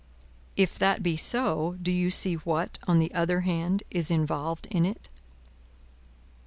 "If that be so, do you see what, on the other hand, is involved in it?"